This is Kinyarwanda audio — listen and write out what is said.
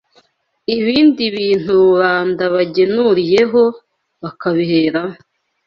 ibindi bintu rubanda bagenuriyeho bakabiheraho